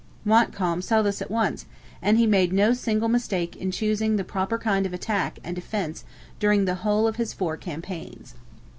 Montcalm saw this at once; and he made no single mistake in choosing the proper kind of attack and defence during the whole of his four campaigns.